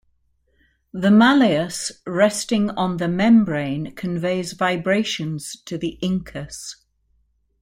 The malleus, resting on the membrane, conveys vibrations to the incus.